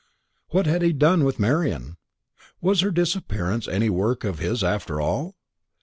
What had he done with Marian? Was her disappearance any work of his, after all?